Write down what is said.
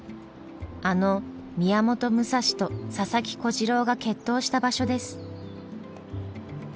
あの宮本武蔵と佐々木小次郎が決闘した場所です。